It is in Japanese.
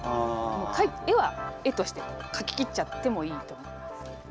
絵は絵としてかききっちゃってもいいと思います。